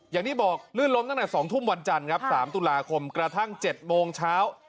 อย่างที่บอกลื่นล้มตั้งแต่๒ทุ่มวันจันทร์ครับ๓ตุลาคมกระทั่ง๗โมงเช้า